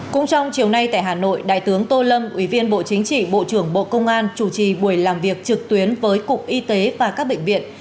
cũng trong chiều nay tại hà nội đại tướng tô lâm ủy viên bộ chính trị bộ trưởng bộ công an chủ trì buổi làm việc trực tuyến với cục y tế và các bệnh viện